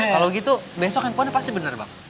kalau gitu besok infonya pasti bener bang